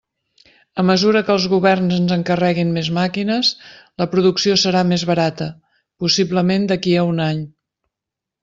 A mesura que els governs ens encarreguin més màquines, la producció serà més barata, possiblement d'aquí a un any.